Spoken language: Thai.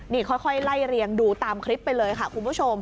นี่ค่อยไล่เรียงดูตามคลิปไปเลยค่ะคุณผู้ชม